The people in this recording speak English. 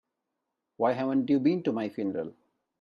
Why haven't you been to my funeral?